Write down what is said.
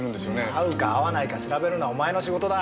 合うか合わないか調べるのはお前の仕事だ。